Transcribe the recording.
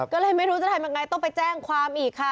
ก็เลยไม่รู้จะทำยังไงต้องไปแจ้งความอีกค่ะ